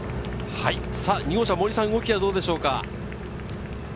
２号車・森さん、動きはどうですか？